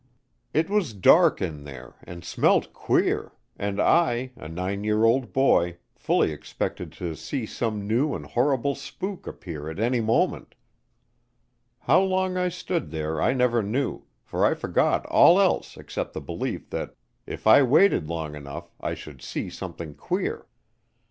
It was dark in there and smelt queer, and I, a nine year old boy, fully expected to see some new and horrible spook appear at any moment. How long I stood there I never knew, for I forgot all else except the belief that if I waited long enough I should see something queer.